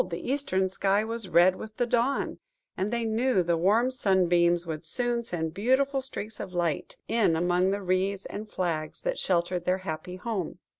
the eastern sky was red with the dawn, and they knew the warm sunbeams would soon send beautiful streaks of light in among the reeds and flags that sheltered their happy home.